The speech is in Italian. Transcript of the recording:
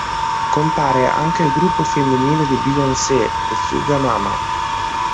Compare anche il gruppo femminile di Beyoncé, le Suga Mama.